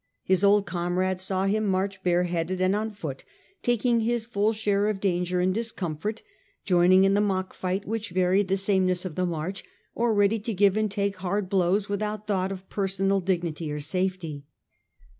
His old comrades saw him march bareheaded and on foot, taking his full share of danger and discomfort, joining in the mock fight which varied the sameness of the march, or ready to give and take hard blows without thought of personal dignity or safety.